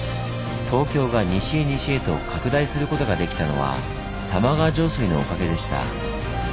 東京が西へ西へと拡大することができたのは玉川上水のおかげでした。